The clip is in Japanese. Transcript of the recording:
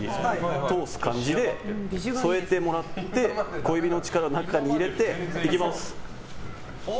通す感じで添えてもらって小指の力を中に入れていきます。